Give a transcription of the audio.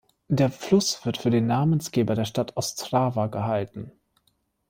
Der Fluss wird für den Namensgeber der Stadt Ostrava gehalten.